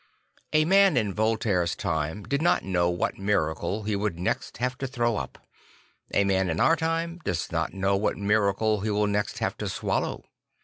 A man in Voltaire's time did not know what miracle he would next have to throw up. A man in our time does not know \vhat miracle he will next have to swallow.